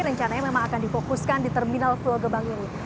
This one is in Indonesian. rencananya memang akan dipokuskan di terminal ini